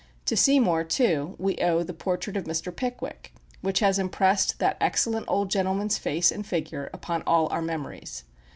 To Seymour, too, we owe the portrait of Mr. Pickwick, which has impressed that excellent old gentleman's face and figure upon all our memories.